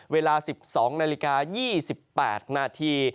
เวลา๑๒นาฬิกา๒๘นาที